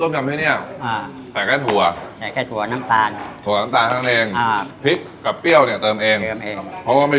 โอโหเนี่ยนะฮะเห็นแหละว่าแค่แค่